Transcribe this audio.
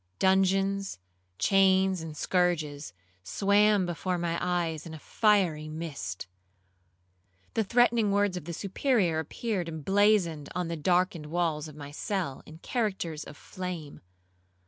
Dungeons, chains, and scourges, swam before my eyes in a fiery mist. The threatening words of the Superior appeared emblazoned on the darkened walls of my cell in characters of flame.